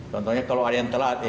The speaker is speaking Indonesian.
contohnya kalau ada yang telat ya